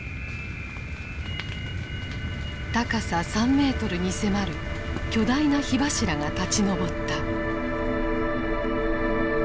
高さ３ｍに迫る巨大な火柱が立ち上った。